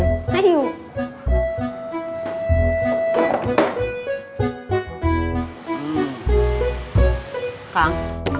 gak usah diterusin